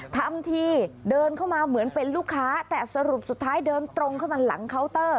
ทำทีเดินเข้ามาเหมือนเป็นลูกค้าแต่สรุปสุดท้ายเดินตรงเข้ามาหลังเคาน์เตอร์